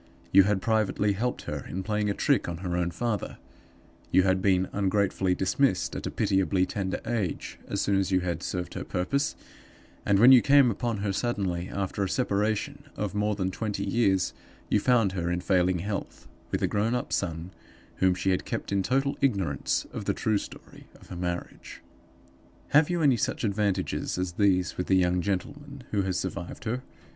You had privately helped her in playing a trick on her own father; you had been ungratefully dismissed, at a pitiably tender age, as soon as you had served her purpose; and, when you came upon her suddenly, after a separation of more than twenty years, you found her in failing health, with a grown up son, whom she had kept in total ignorance of the true story of her marriage. "Have you any such advantages as these with the young gentleman who has survived her?